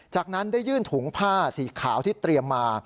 จากนั้นได้ยื่นถุงผ้าสีขาวที่เตรียมมา